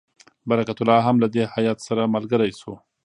برکت الله هم له دې هیات سره ملګری شو.